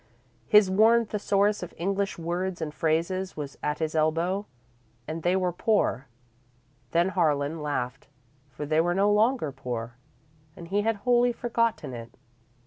His worn Thesaurus of English Words and Phrases was at his elbow. And they were poor. Then Harlan laughed, for they were no longer poor, and he had wholly forgotten it.